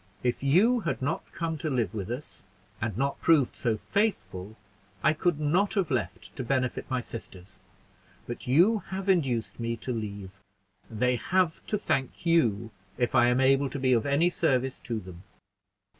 If you had not come to live with us, and not proved so faithful, I could not have left to benefit my sisters; but you have induced me to leave, and they have to thank you if I am able to be of any service to them."